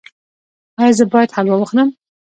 ایا زه باید حلوا وخورم؟